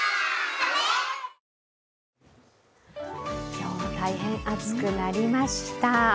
今日は大変暑くなりました。